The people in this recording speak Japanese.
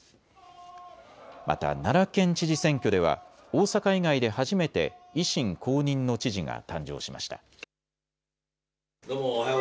また奈良県知事選挙では大阪以外で初めて維新公認の知事が誕生しました。